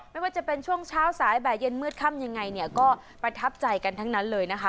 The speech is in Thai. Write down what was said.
ไม่ว่าจะเป็นช่วงเช้าสายแบบเย็นมืดค่ำยังไงเนี่ยก็ประทับใจกันทั้งนั้นเลยนะคะ